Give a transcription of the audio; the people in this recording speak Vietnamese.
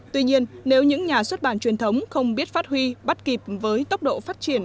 tuy nhiên nếu những nhà xuất bản truyền thống không biết phát huy bắt kịp với tốc độ phát triển